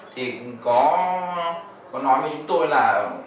thì có nói với chúng tôi là